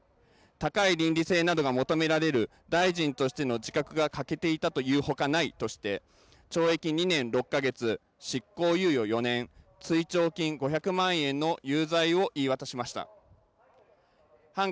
高い倫理性などが求められる大臣としての自覚が欠けていたというほかないとして懲役２年６か月、執行猶予４年追徴金５００万円の有罪を言い渡しました。